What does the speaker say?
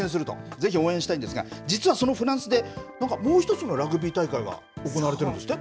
ぜひ応援したいんですが、実はそのフランスで、なんかもう一つのラグビー大会が行われているんですって？